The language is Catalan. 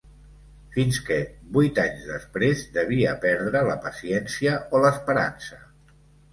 Fins que, vuit anys després, devia perdre la paciència o l'esperança.